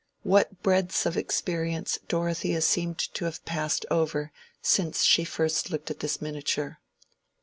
What breadths of experience Dorothea seemed to have passed over since she first looked at this miniature!